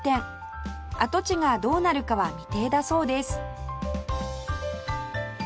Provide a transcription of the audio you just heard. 跡地がどうなるかは未定だそうです